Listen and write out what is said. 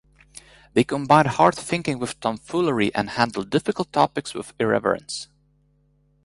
They combine hard thinking with tomfoolery and handle difficult topics with irreverence.